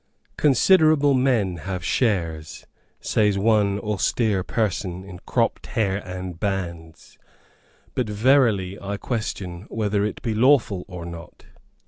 "Considerable men have shares," says one austere person in cropped hair and bands; "but verily I question whether it be lawful or not."